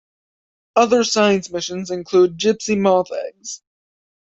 Other science missions included gypsy moth eggs.